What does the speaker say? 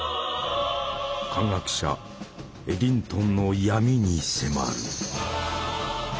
科学者エディントンの「闇」に迫る。